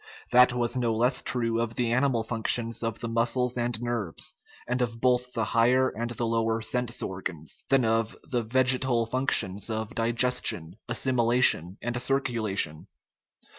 That was no less true of the animal functions of the muscles and nerves, and of both the higher and the lower sense organs, than of the vegetal functions of digestion, assimilation, and circulation.